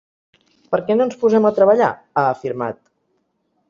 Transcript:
Per què no ens posem a treballar?, ha afirmat.